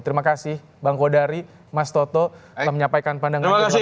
terima kasih bang kodari mas toto telah menyampaikan pandangannya